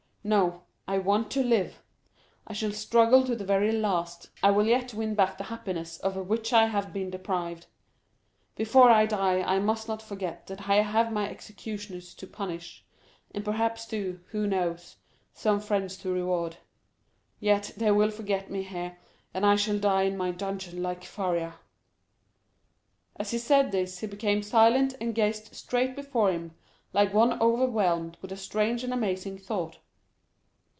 No, I want to live; I shall struggle to the very last; I will yet win back the happiness of which I have been deprived. Before I die I must not forget that I have my executioners to punish, and perhaps, too, who knows, some friends to reward. Yet they will forget me here, and I shall die in my dungeon like Faria." As he said this, he became silent and gazed straight before him like one overwhelmed with a strange and amazing thought.